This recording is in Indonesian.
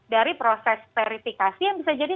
dari proses verifikasi yang bisa jadi